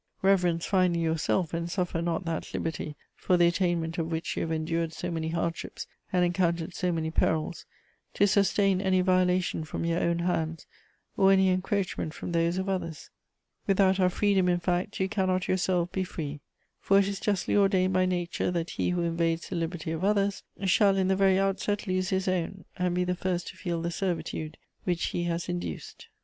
Reverence, finally, yourself, and suffer not that liberty, for the attainment of which you have endured so many hardships and encountered so many perils, to sustain any violation from your own hands, or any encroachment from those of others. Without our freedom, in fact, you cannot yourself be free: for it is justly ordained by nature that he who invades the liberty of others shall in the very outset lose his own, and be the first to feel the servitude which he has induced."